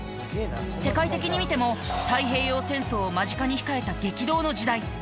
世界的に見ても太平洋戦争を間近に控えた激動の時代。